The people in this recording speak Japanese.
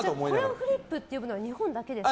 これをフリップと呼ぶのは日本だけですか。